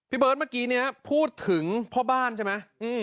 พี่เบิ้ลเมื่อกี้พูดถึงพ่อบ้านใช่ไหม